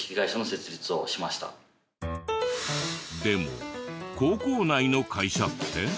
でも高校内の会社って？